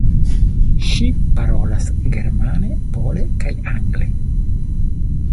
Ŝi parolas germane, pole kaj angle.